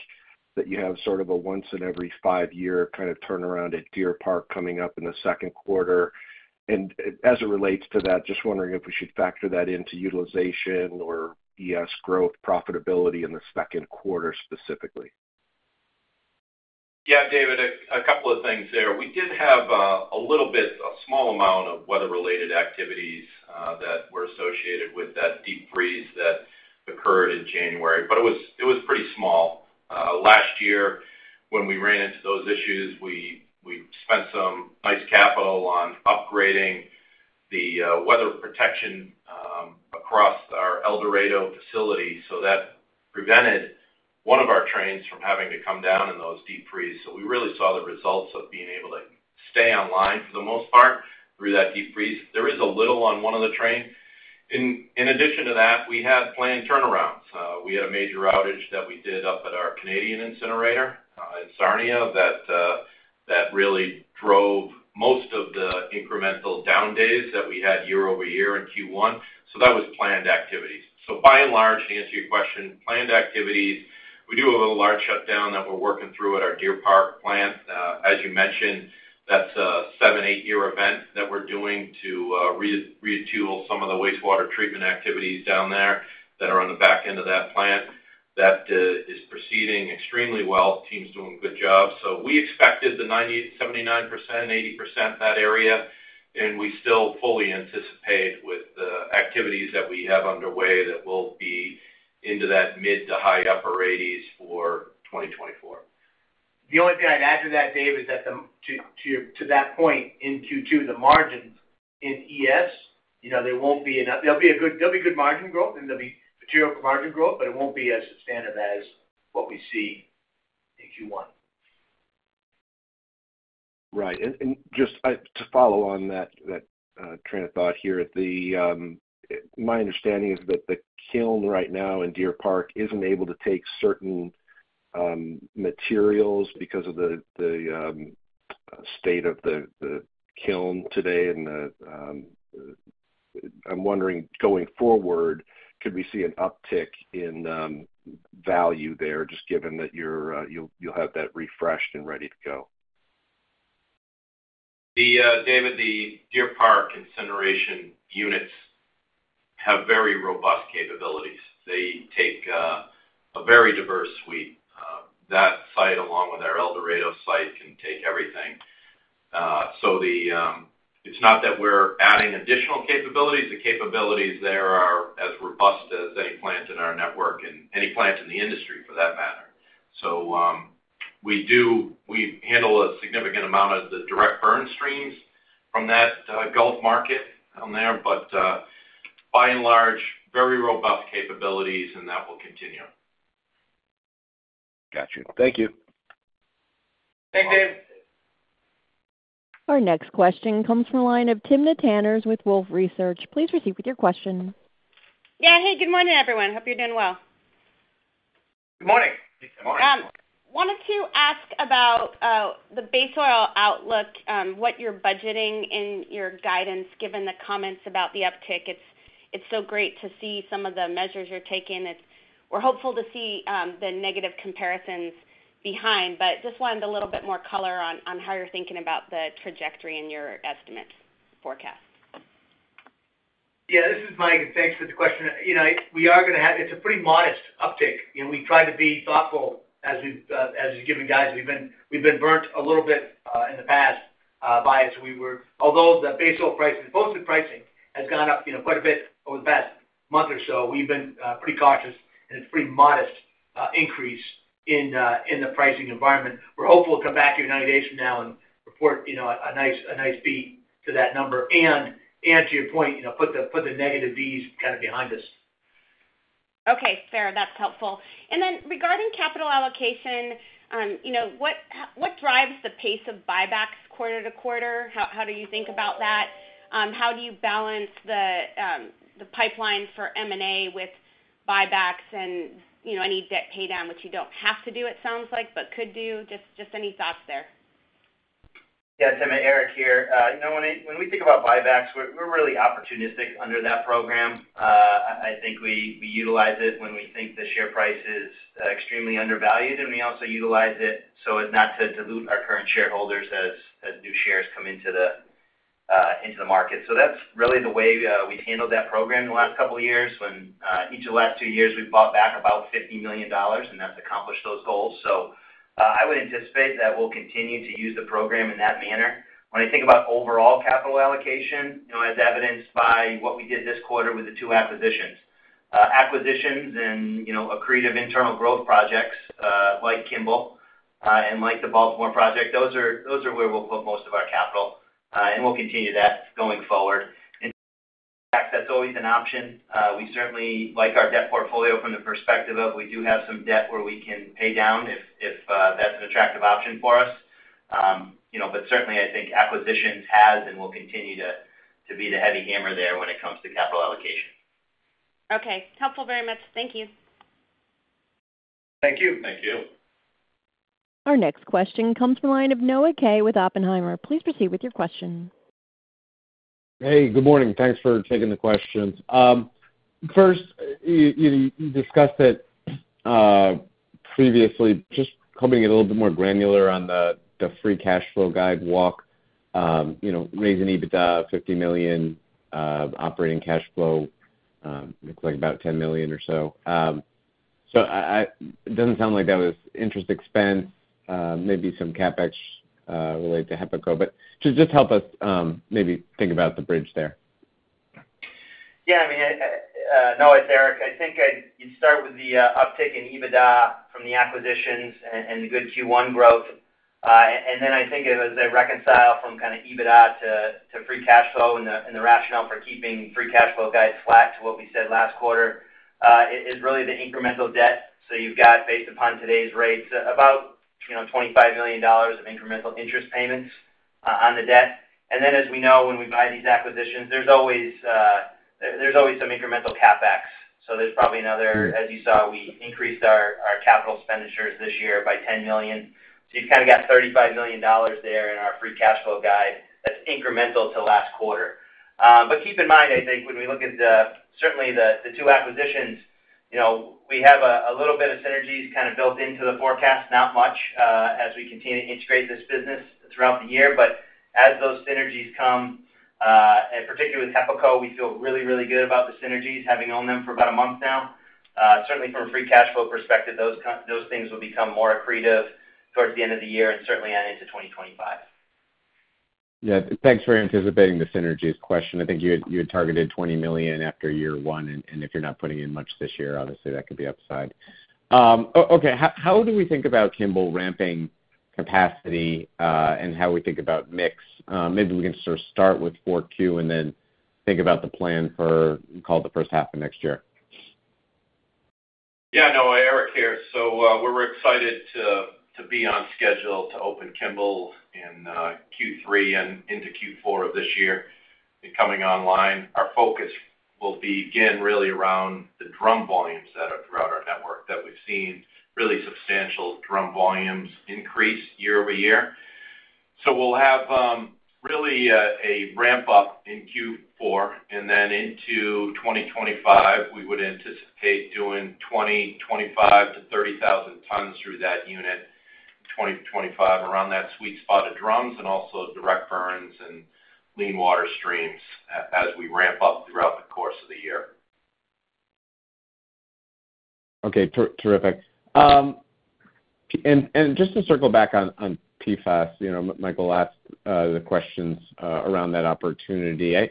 that you have sort of a once in every five-year kind of turnaround at Deer Park coming up in the second quarter. And as it relates to that, just wondering if we should factor that into utilization or ES growth profitability in the second quarter specifically. Yeah, David, a couple of things there. We did have a little bit, a small amount of weather-related activities that were associated with that deep freeze that occurred in January, but it was pretty small. Last year, when we ran into those issues, we spent some nice capital on upgrading the weather protection across our El Dorado facility, so that prevented one of our trains from having to come down in those deep freezes. So we really saw the results of being able to stay online for the most part through that deep freeze. There is a little on one of the trains. In addition to that, we had planned turnarounds. We had a major outage that we did up at our Canadian incinerator in Sarnia that really drove most of the incremental down days that we had year-over-year in Q1. So that was planned activities. So by and large, to answer your question, planned activities, we do have a large shutdown that we're working through at our Deer Park plant. As you mentioned, that's a 7-8 year event that we're doing to retool some of the wastewater treatment activities down there that are on the back end of that plant. That is proceeding extremely well. Team's doing a good job. So we expected the 79%-80% in that area, and we still fully anticipate with the activities that we have underway that we'll be into that mid- to high-80s for 2024. The only thing I'd add to that, David, is that to your point in Q2, the margins in ES, you know, they won't be enough. There'll be good margin growth, and there'll be material margin growth, but it won't be as substantive as what we see in Q1. Right. And just to follow on that train of thought here, my understanding is that the kiln right now in Deer Park isn't able to take certain materials because of the state of the kiln today. And I'm wondering, going forward, could we see an uptick in value there, just given that you'll have that refreshed and ready to go? Yeah David, the Deer Park incineration units have very robust capabilities. They take a very diverse suite. That site, along with our El Dorado site, can take everything. So the, it's not that we're adding additional capabilities. The capabilities there are as robust as any plant in our network and any plant in the industry, for that matter. So, we handle a significant amount of the direct burn streams from that, Gulf market on there, but, by and large, very robust capabilities, and that will continue. Got you. Thank you. Thanks, Dave. Our next question comes from the line of Timna Tanners with Wolfe Research. Please proceed with your question. Yeah. Hey, good morning, everyone. Hope you're doing well. Good morning. Good morning. Wanted to ask about the base oil outlook, what you're budgeting in your guidance, given the comments about the uptick. It's so great to see some of the measures you're taking. We're hopeful to see the negative comparisons behind, but just wanted a little bit more color on how you're thinking about the trajectory in your estimate forecast. Yeah, this is Mike. Thanks for the question. You know, we are gonna have - it's a pretty modest uptick, and we try to be thoughtful as we've, as we've given guidance. We've been, we've been burnt a little bit in the past by it. We were - although the base oil prices, posted pricing, has gone up, you know, quite a bit over the past month or so, we've been pretty cautious, and it's a pretty modest increase in the pricing environment. We're hopeful we'll come back here 90 days from now and report, you know, a nice, a nice beat to that number. And, and to your point, you know, put the, put the negatives kind of behind us. Okay, fair. That's helpful. And then, regarding capital allocation, you know, what, what drives the pace of buybacks quarter to quarter? How, how do you think about that? How do you balance the, the pipeline for M&A with buybacks and, you know, any debt pay down, which you don't have to do, it sounds like, but could do? Just, just any thoughts there. Yeah, Timna, Eric here. You know, when we think about buybacks, we're really opportunistic under that program. I think we utilize it when we think the share price is extremely undervalued, and we also utilize it so as not to dilute our current shareholders as new shares come into the market. So that's really the way we've handled that program in the last couple of years, when each of the last two years we've bought back about $50 million, and that's accomplished those goals. So I would anticipate that we'll continue to use the program in that manner. When I think about overall capital allocation, you know, as evidenced by what we did this quarter with the two acquisitions. Acquisitions and, you know, accretive internal growth projects, like Kimball, and like the Baltimore project, those are where we'll put most of our capital, and we'll continue that going forward. In fact, that's always an option. We certainly like our debt portfolio from the perspective of we do have some debt where we can pay down if that's an attractive option for us. You know, but certainly, I think acquisitions has and will continue to be the heavy hammer there when it comes to capital allocation. Okay. Helpful very much. Thank you. Thank you. Thank you. Our next question comes from the line of Noah Kaye with Oppenheimer. Please proceed with your question. Hey, good morning. Thanks for taking the questions. First, you discussed it previously. Just hoping to get a little bit more granular on the free cash flow guide walk. You know, raising EBITDA $50 million, operating cash flow looks like about $10 million or so. So it doesn't sound like that was interest expense, maybe some CapEx related to HEPACO. But just help us, maybe think about the bridge there. Yeah, I mean, Noah, it's Eric. I think I'd - you start with the uptick in EBITDA from the acquisitions and the good Q1 growth. And then I think it was a reconcile from kind of EBITDA to free cash flow and the rationale for keeping free cash flow guide flat to what we said last quarter is really the incremental debt. So you've got, based upon today's rates, about, you know, $25 million of incremental interest payments on the debt. And then, as we know, when we buy these acquisitions, there's always some incremental CapEx. So there's probably another - As you saw, we increased our capital expenditures this year by $10 million. So you've kind of got $35 million there in our free cash flow guide that's incremental to last quarter. But keep in mind, I think when we look at certainly the two acquisitions, you know, we have a little bit of synergies kind of built into the forecast, not much, as we continue to integrate this business throughout the year. But as those synergies come, and particularly with HEPACO, we feel really, really good about the synergies, having owned them for about a month now. Certainly from a free cash flow perspective, those kinds of things will become more accretive towards the end of the year and certainly into 2025. Yeah. Thanks for anticipating the synergies question. I think you had, you had targeted $20 million after year one, and, and if you're not putting in much this year, obviously, that could be upside. Okay, how do we think about Kimball ramping capacity, and how we think about mix? Maybe we can sort of start with 4Q and then think about the plan for, call it, the first half of next year. Yeah, Noah, Eric here. So, we're excited to be on schedule to open Kimball in Q3 and into Q4 of this year and coming online. Our focus will be, again, really around the drum volumes that are throughout our network, that we've seen really substantial drum volumes increase year-over-year. So we'll have really be a ramp up in Q4, and then into 2025, we would anticipate doing 25-30,000 tons through that unit, 20-25 around that sweet spot of drums and also direct burns and lean water streams as we ramp up throughout the course of the year. Okay, terrific. And just to circle back on PFAS, you know, Michael asked the questions around that opportunity. I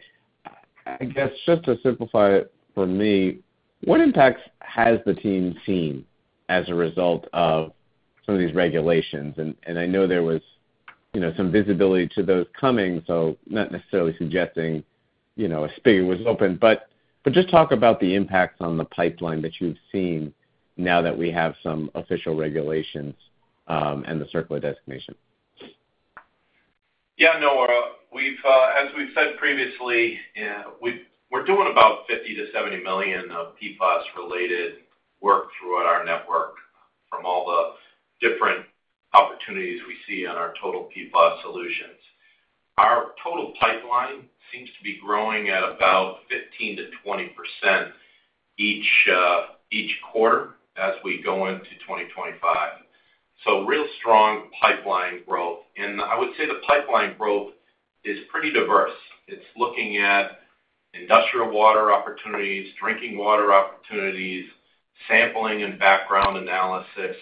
guess, just to simplify it for me, what impacts has the team seen as a result of some of these regulations? And I know there was, you know, some visibility to those coming, so not necessarily suggesting, you know, a spigot was open, but just talk about the impacts on the pipeline that you've seen now that we have some official regulations, and the circular designation. Yeah, Noah, we've - as we've said previously, we're doing about $50 million-$70 million of PFAS-related work throughout our network from all the different opportunities we see on our Total PFAS Solutions. Our total pipeline seems to be growing at about 15%-20% each quarter as we go into 2025. So real strong pipeline growth. And I would say the pipeline growth is pretty diverse. It's looking at industrial water opportunities, drinking water opportunities, sampling and background analysis,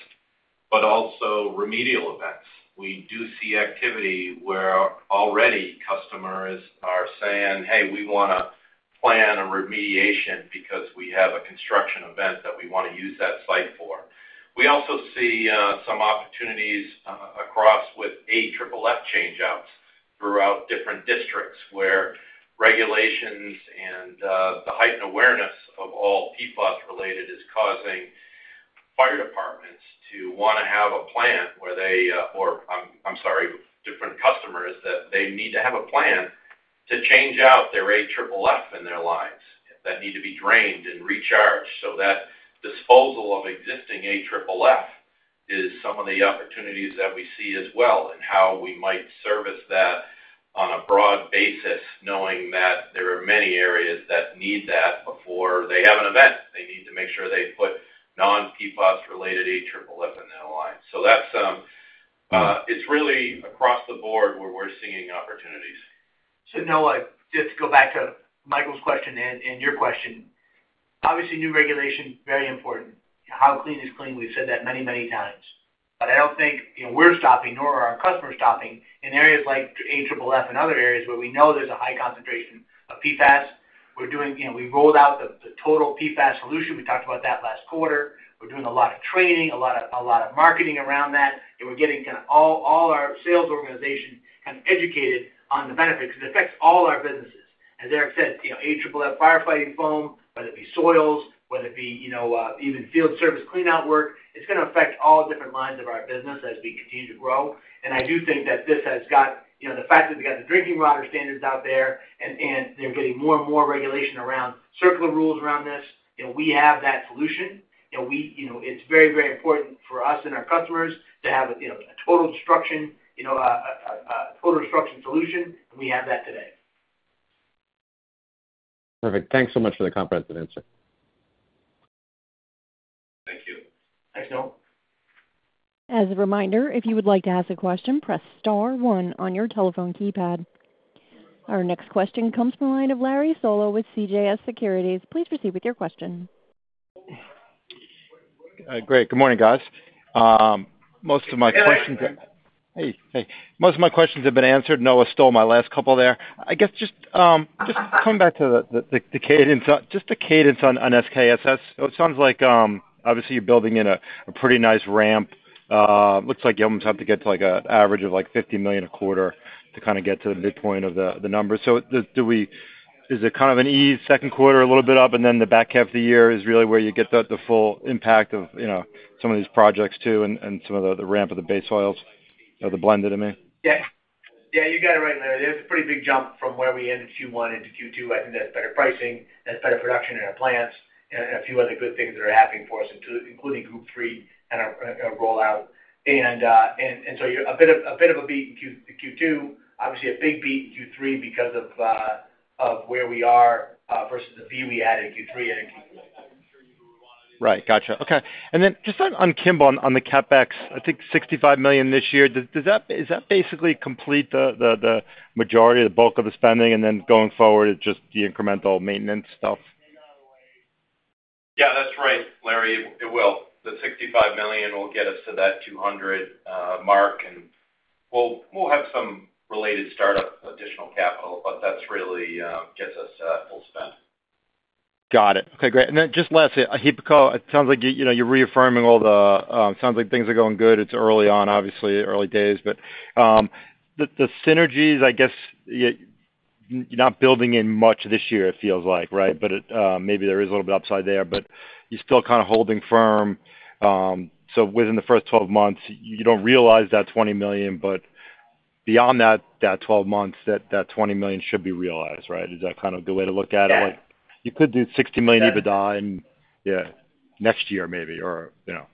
but also remedial events. We do see activity where already customers are saying, "Hey, we wanna plan a remediation because we have a construction event that we want to use that site for." We also see some opportunities across with AFFF changeouts throughout different districts, where regulations and the heightened awareness of all PFAS-related is causing fire departments to wanna have a plan where they or I'm, I'm sorry, different customers, that they need to have a plan to change out their AFFF in their lines that need to be drained and recharged. So that disposal of existing AFFF is some of the opportunities that we see as well, and how we might service that on a broad basis, knowing that there are many areas that need that before they have an event. They need to make sure they put non-PFAS-related AFFF in their lines. So that's, it's really across the board where we're seeing opportunities. So Noah, just to go back to Michael's question and your question. Obviously, new regulation, very important. How clean is clean? We've said that many, many times. But I don't think, you know, we're stopping, nor are our customers stopping in areas like AFFF and other areas where we know there's a high concentration of PFAS. We're doing. You know, we rolled out the Total PFAS Solution. We talked about that last quarter. We're doing a lot of training, a lot of marketing around that, and we're getting kind of all our sales organization kind of educated on the benefits. It affects all our businesses. As Eric said, you know, AFFF firefighting foam, whether it be soils, whether it be, you know, even field service cleanout work, it's gonna affect all different lines of our business as we continue to grow. I do think that this has got, you know, the fact that we've got the drinking water standards out there and they're getting more and more regulation around circular rules around this, you know, we have that solution. You know, we, you know, it's very, very important for us and our customers to have a, you know, a total destruction, you know, a total destruction solution, and we have that today. Perfect. Thanks so much for the comprehensive answer. Thank you. Thanks, Noah. As a reminder, if you would like to ask a question, press star one on your telephone keypad. Our next question comes from the line of Larry Solow with CJS Securities. Please proceed with your question. Great. Good morning, guys. Most of my questions- Good morning, Larry. Hey. Hey, most of my questions have been answered. Noah stole my last couple there. I guess just coming back to the cadence on SKSS. It sounds like, obviously, you're building in a pretty nice ramp. Looks like you almost have to get to, like, an average of, like, $50 million a quarter to kind of get to the midpoint of the numbers. So, is it kind of a Q2, a little bit up, and then the back half of the year is really where you get the full impact of, you know, some of these projects, too, and some of the ramp of the base oils or the blend, I mean? Yeah. Yeah, you got it right, Larry. There's a pretty big jump from where we ended Q1 into Q2. I think that's better pricing, that's better production in our plants and a few other good things that are happening for us, including Group Three and our rollout. And so you're a bit of a beat in Q2. Obviously, a big beat in Q3 because of where we are versus the beat we had in Q3 and in Q4. Right. Gotcha. Okay. And then just on Kimball, on the CapEx, I think $65 million this year, does that basically complete the majority of the bulk of the spending, and then going forward, it's just the incremental maintenance stuff? Yeah, that's right, Larry. It will. The $65 million will get us to that $200 million mark, and we'll have some related startup additional capital, but that's really gets us to that full spend. Got it. Okay, great. And then just lastly, HEPACO, it sounds like you, you know, you're reaffirming all the - it sounds like things are going good. It's early on, obviously, early days, but the synergies, I guess, you're not building in much this year, it feels like, right? But it maybe there is a little bit upside there, but you're still kind of holding firm. So within the first 12 months, you don't realize that $20 million, but beyond that, that 12 months, that $20 million should be realized, right? Is that kind of the way to look at it? Yeah. You could do $60 million of EBITDA in, yeah, next year maybe, or, you know.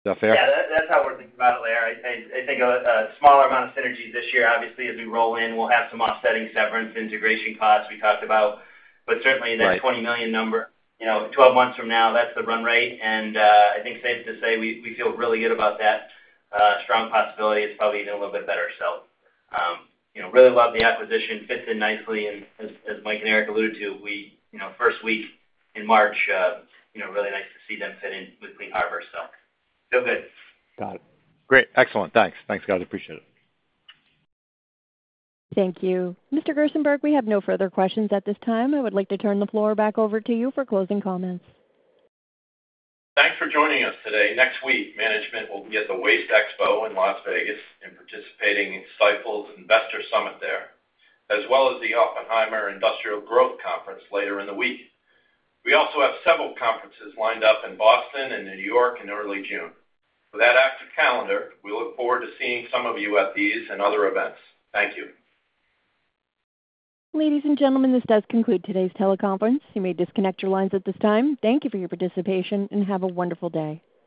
Is that fair? Yeah, that's how we're thinking about it, Larry. I think a smaller amount of synergies this year. Obviously, as we roll in, we'll have some offsetting severance and integration costs we talked about. Right. But certainly, that $20 million number, you know, 12 months from now, that's the run rate. And, I think safe to say, we feel really good about that, strong possibility. It's probably even a little bit better. So, you know, really love the acquisition. Fits in nicely, and as Mike and Eric alluded to, we, you know, first week in March, you know, really nice to see them fit in with Clean Harbors, so feel good. Got it. Great. Excellent. Thanks. Thanks, guys. I appreciate it. Thank you. Mr. Gerstenberg, we have no further questions at this time. I would like to turn the floor back over to you for closing comments. Thanks for joining us today. Next week, management will be at the WasteExpo in Las Vegas and participating in Stifel's Investor Summit there, as well as the Oppenheimer Industrial Growth Conference later in the week. We also have several conferences lined up in Boston and New York in early June. With that active calendar, we look forward to seeing some of you at these and other events. Thank you. Ladies and gentlemen, this does conclude today's teleconference. You may disconnect your lines at this time. Thank you for your participation, and have a wonderful day.